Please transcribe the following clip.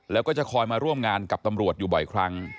แล้วก็จะคอยมาร่วมงานกับตำรวจอยู่บ่อยครั้ง